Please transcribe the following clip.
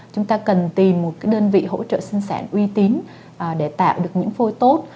chúng ta cần tìm một đơn vị hỗ trợ sinh sản uy tín để tạo được những phôi tốt